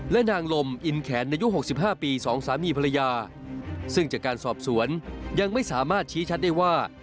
และนางลมอินแขนอายุหกสิบห้าปีสองสามีภรรยาซึ่งจากการสอบสวนยังไม่สามารถชี้ชัดได้ว่า